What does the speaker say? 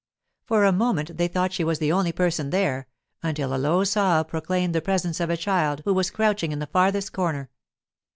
For a moment they thought she was the only person there, until a low sob proclaimed the presence of a child who was crouching in the farthest corner.